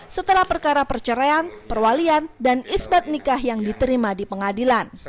setelah perkara perceraian perwalian dan isbat nikah yang diterima di pengadilan